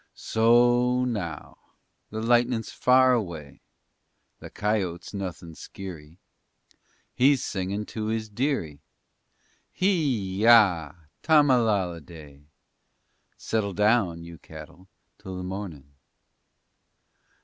So o now, the lightnin's far away, The coyote's nothiny skeery; _He's singin' to his dearie _ Hee ya, tammalalleday! _Settle down, you cattle, till the mornin'.